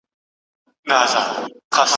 جهاني نن دي په کلام کي د ځوانۍ مستې ده